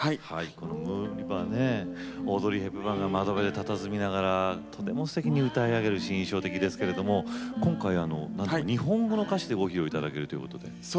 この「ムーン・リバー」オードリー・ヘプバーンが窓辺にたたずみながらとても、すてきに歌い上げるシーンが印象的ですけども今回日本語の歌詞でご披露いただけるとのことで。